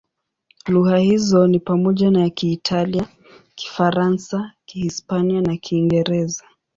Lugha hizo ni pamoja na Kiitalia, Kifaransa, Kihispania na Kiingereza.